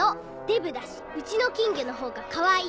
デブだしうちの金魚のほうがかわいい。